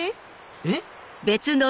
えっ？